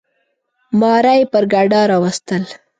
ماره یي پر ګډا راوستل.